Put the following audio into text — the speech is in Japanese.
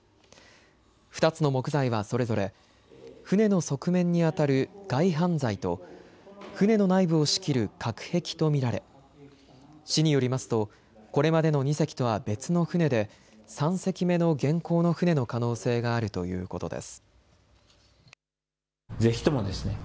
２つの木材はそれぞれ船の側面にあたる外板材と船の内部を仕切る隔壁と見られ、市によりますとこれまでの２隻とは別の船で３隻目の元寇の船の可能性があるということです。